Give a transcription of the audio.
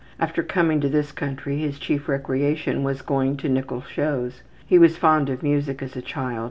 After coming to this country his chief recreation was going to nickel shows. He was fond of music as a child.